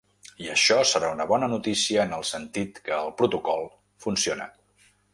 I això serà una bona notícia en el sentit que el protocol funciona.